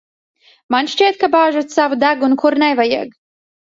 Man šķiet, ka bāžat savu degunu, kur nevajag.